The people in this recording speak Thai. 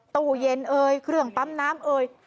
ตู้เย็นเอ่ยเครื่องปั๊มน้ำเอ่ย